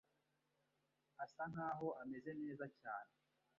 asa nkaho ameze neza cyane.